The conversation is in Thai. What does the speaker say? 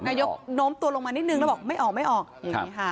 นายยกโน้มตัวลงมานิดนึงแล้วบอกไม่ออก